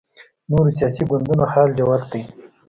نورو سیاسي ګوندونو حال جوت دی